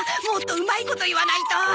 もっとうまいこと言わないと。